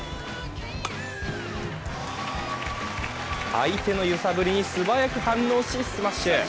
相手の揺さぶりに素早く反応し、スマッシュ。